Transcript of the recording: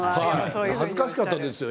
恥ずかしかったですよ